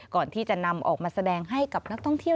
ก่อนที่จะนำออกมาแสดงให้กับนักท่องเที่ยว